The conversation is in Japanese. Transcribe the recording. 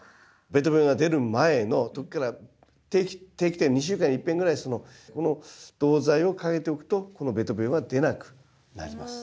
べと病が出る前の時から定期的２週間にいっぺんぐらいこの銅剤をかけておくとこのべと病は出なくなります。